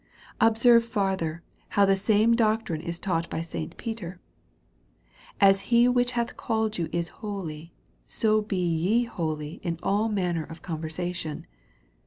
Observe farther, how the same doctrine is taught by St. Peter: As he zchich hath called j/ou is holj/, so be ye holy in all manner of conversation.